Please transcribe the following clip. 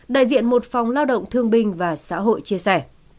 đại diện một phòng lao động thương binh và xã hội chia sẻ